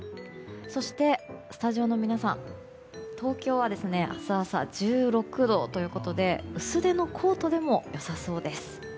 そして、スタジオの皆さん東京は明日朝１６度ということで薄手のコートでも良さそうです。